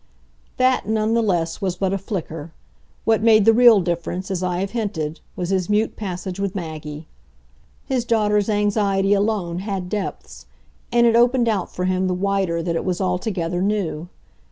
That, none the less, was but a flicker; what made the real difference, as I have hinted, was his mute passage with Maggie. His daughter's anxiety alone had depths, and it opened out for him the wider that it was altogether new.